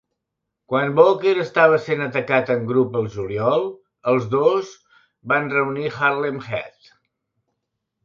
Quan Booker estava sent atacat en grup al juliol, els dos van reunir Harlem Heat.